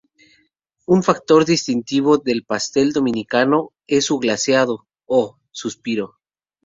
Un factor distintivo del pastel dominicano es su glaseado, o "suspiro.